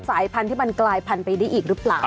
สายพันธุ์ที่มันกลายพันธุ์ไปได้อีกหรือเปล่า